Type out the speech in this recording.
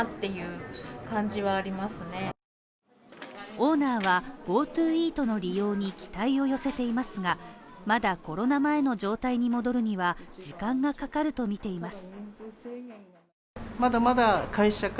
オーナーは、ＧｏＴｏイートの利用に期待を寄せていますが、まだコロナ前の状態に戻るには時間がかかるとみています。